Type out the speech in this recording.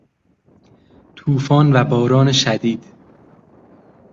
توفان و باران شدید